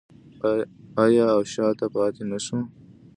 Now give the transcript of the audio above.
آیا او شاته پاتې نشو؟